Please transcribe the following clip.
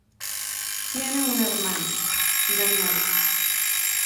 Tiene una hermana, Danielle.